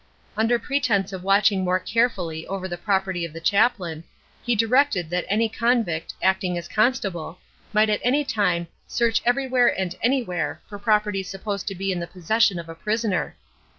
Under pretence of watching more carefully over the property of the chaplain, he directed that any convict, acting as constable, might at any time "search everywhere and anywhere" for property supposed to be in the possession of a prisoner.